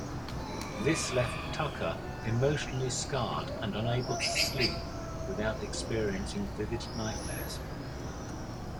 This left Tucker emotionally scarred and unable to sleep without experiencing vivid nightmares.